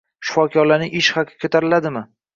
Shifokorlarning ish haqi ko‘tariladimi?